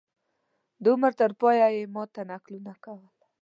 د عمر تر پایه یې ما ته نکلونه کول.